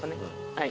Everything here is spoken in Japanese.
はい。